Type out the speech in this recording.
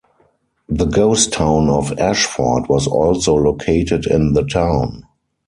The ghost town of Ashford was also located in the town.